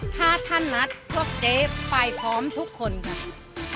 ถ้าท่านนัดพวกเจ๊ไปพร้อมทุกคนค่ะ